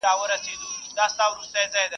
انسان ته په مځکه کي لوی سلطنت ورکړل سوی دی.